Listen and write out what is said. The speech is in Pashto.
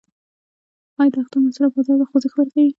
آیا د اختر مصارف بازار ته خوځښت ورکوي؟